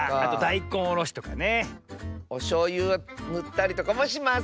おしょうゆぬったりとかもします。